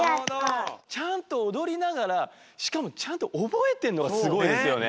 ちゃんとおどりながらしかもちゃんとおぼえてんのがすごいですよね。